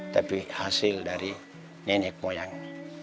tapi hasil dari nenek moyang